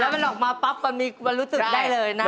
แล้วมันออกมาปั๊บมันรู้สึกได้เลยนะ